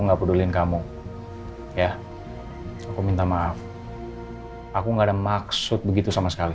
nggak peduliin kamu ya aku minta maaf aku enggak ada maksud begitu sama sekali